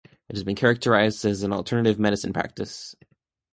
It has been characterised as an alternative medicine practice.